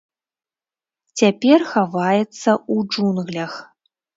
Цяпер хаваецца ў джунглях.